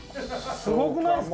すごくないですか？